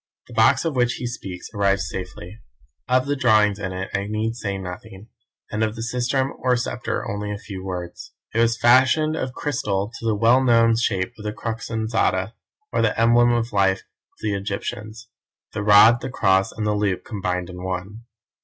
The box of which he speaks arrived safely. Of the drawings in it I need say nothing, and of the sistrum or sceptre only a few words. It was fashioned of crystal to the well known shape of the Crux ansata, or the emblem of life of the Egyptians; the rod, the cross and the loop combined in one.